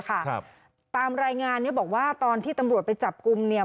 ครับตามรายงานเนี้ยบอกว่าตอนที่ตำรวจไปจับกลุ่มเนี่ย